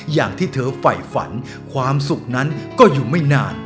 อย่างที่เธอไฝฝันความสุขนั้นก็อยู่ไม่นาน